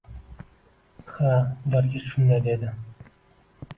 Xala ularga shunday dedi